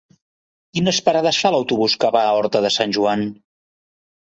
Quines parades fa l'autobús que va a Horta de Sant Joan?